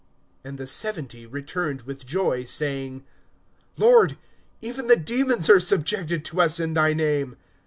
(17)And the seventy returned with joy, saying: Lord, even the demons are subjected to us in thy name.